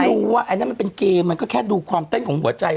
รู้ว่าอันนั้นมันเป็นเกมมันก็แค่ดูความเต้นของหัวใจ